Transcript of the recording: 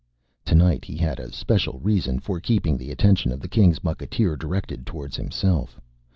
Tonight he had a special reason for keeping the attention of the King's mucketeer directed towards himself.